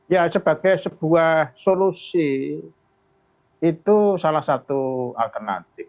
ya sebagai sebuah solusi itu salah satu alternatif